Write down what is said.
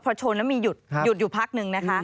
พอชนแล้วมีหยุดหยุดอยู่พักนึงนะคะ